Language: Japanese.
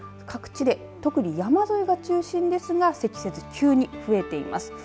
各地で特に山沿いが中心ですが積雪、急に増えています。